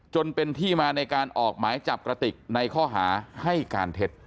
จนเป็นที่มาในการออกหมายจับกระติกในข้อหาให้การเท็จ